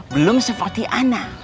belum seperti ana